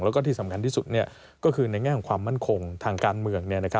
แล้วก็ที่สำคัญที่สุดก็คือในแง่ของความมั่นคงทางการเมือง